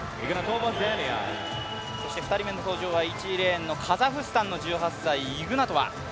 ２人目の登場は１レーンのカザフスタンの１８歳、イグナトワ。